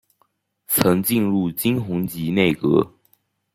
曾进入金弘集内阁。